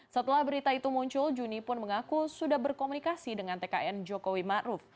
setelah berita itu muncul juni pun mengaku sudah berkomunikasi dengan tkn jokowi matruf